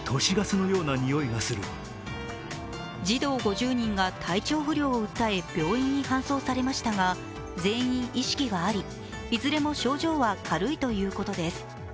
児童５０人が体調不良を訴え病院に搬送されましたが全員、意識はあり、いずれも症状は軽いということです。